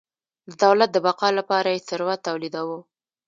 د دولت د بقا لپاره یې ثروت تولیداوه.